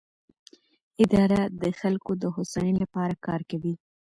اداره د خلکو د هوساینې لپاره کار کوي.